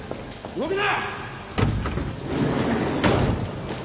動くな！